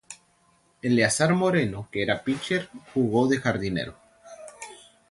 Eleazar Moreno que era pitcher jugo de jardinero.